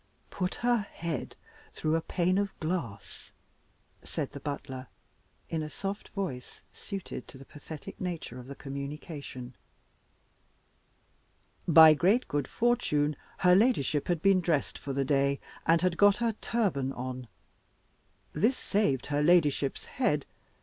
"Put her head through a pane of glass," said the butler, in a soft voice suited to the pathetic nature of the communication. "By great good fortune her ladyship had been dressed for the day, and had got her turban on. This saved her ladyship's head.